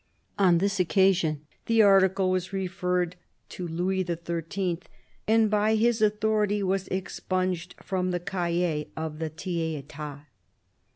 On this occasion the article was referred to Louis XIII., and by his authority was expunged from the cahier of the Tiers £tat.